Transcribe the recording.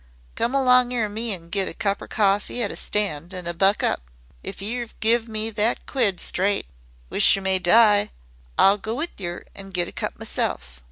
Come along er me an' get a cup er cawfee at a stand, an' buck up. If yer've give me that quid straight wish yer may die I'll go with yer an' get a cup myself.